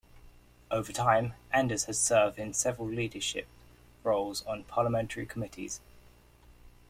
Over time Anders has served in several leadership roles on parliamentary committees.